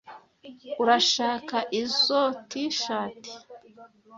Urashaka izoi T-shirt?